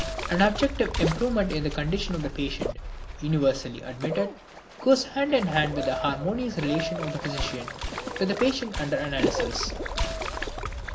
An objective improvement in the condition of the patient, universally admitted, goes hand in hand with this harmonious relation of the physician to the patient under analysis.